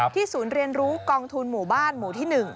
ศูนย์เรียนรู้กองทุนหมู่บ้านหมู่ที่๑